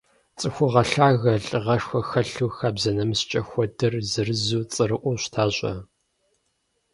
Цӏыхугъэ лъагэ, лӏыгъэшхуэ хэлъу, хабзэ-нэмыскӏэ хуэдэр зырызу, цӏэрыӏуэу щытащ ар.